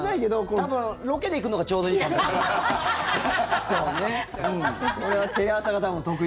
多分、ロケで行くのがちょうどいい感じがする。